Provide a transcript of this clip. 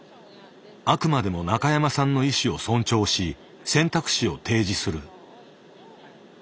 あくまでも中山さんの意思を尊重し選択肢を提示する。